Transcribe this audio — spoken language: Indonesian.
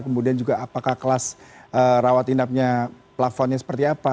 kemudian juga apakah kelas rawat inapnya plafonnya seperti apa